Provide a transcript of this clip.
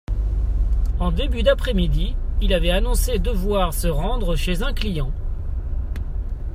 En début d’après-midi, il avait annoncé devoir se rendre chez un client.